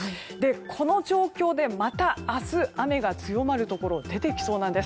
この状況でまた明日雨が強まるところが出てきそうなんです。